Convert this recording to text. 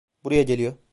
Buraya geliyor.